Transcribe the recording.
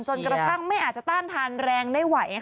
จนกระทั่งไม่อาจจะต้านทานแรงได้ไหว